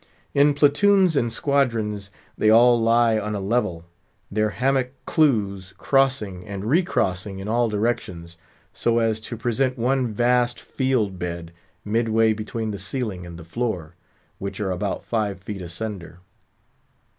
In platoons and squadrons, they all lie on a level; their hammock clews crossing and recrossing in all directions, so as to present one vast field bed, midway between the ceiling and the floor; which are about five feet asunder.